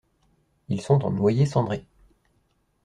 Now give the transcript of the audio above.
Ils sont en noyer cendré.